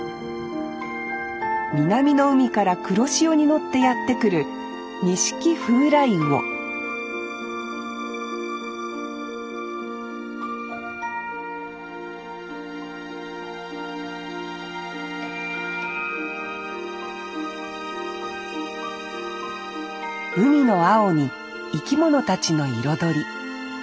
南の海から黒潮に乗ってやって来るニシキフウライウオ海の青に生き物たちの彩り。